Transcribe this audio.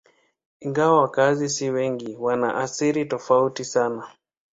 Ingawa wakazi si wengi, wana asili tofauti sana.